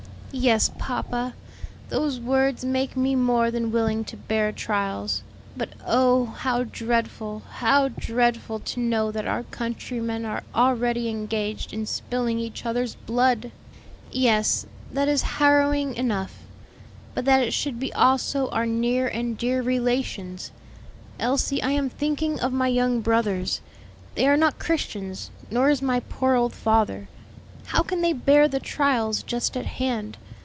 '" "Yes, papa, those words make me more than willing to bear trials. But oh, how dreadful, how dreadful, to know that our countrymen are already engaged in spilling each other's blood!" "Yes, that is harrowing enough; but that it should be also our near and dear relations! Elsie, I am thinking of my young brothers: they are not Christians; nor is my poor old father. How can they bear the trials just at hand?